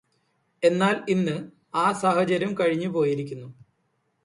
എന്നാൽ ഇന്ന് ആ സാഹചര്യം കഴിഞ്ഞു പോയിരിക്കുന്നു.